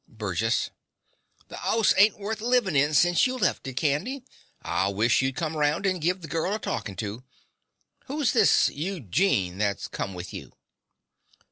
BURGESS. The 'ouse ain't worth livin' in since you left it, Candy. I wish you'd come round and give the gurl a talkin' to. Who's this Eugene that's come with you?